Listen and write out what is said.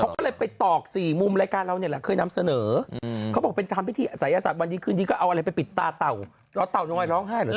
เขาก็เลยไปตอกสี่มุมรายการเราเนี่ยแหละเคยนำเสนอเขาบอกเป็นทำพิธีศัยศาสตร์วันดีคืนดีก็เอาอะไรไปปิดตาเต่ารอเต่าน้อยร้องไห้เหรอ